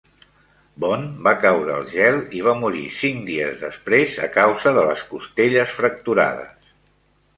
Bond va caure al gel i va morir cinc dies després a causa de les costelles fracturades.